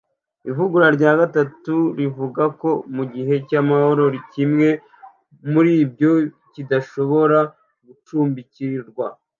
Ivugurura rya gatatu rivuga ko mu gihe cy’amahoro, kimwe muri ibyo kidashobora gucumbikirwa